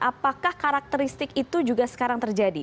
apakah karakteristik itu juga sekarang terjadi